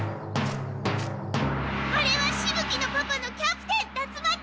あれはしぶ鬼のパパのキャプテン達魔鬼！